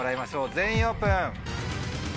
全員オープン。